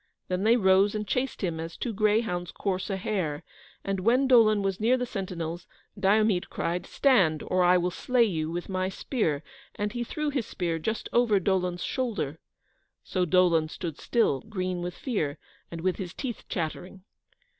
Then they rose and chased him as two greyhounds course a hare, and, when Dolon was near the sentinels, Diomede cried "Stand, or I will slay you with my spear!" and he threw his spear just over Dolon's shoulder. So Dolon stood still, green with fear, and with his teeth chattering.